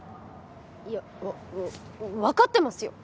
いやわわわかってますよ！